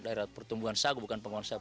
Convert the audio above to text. daerah pertumbuhan sagu bukan pengembangan sagu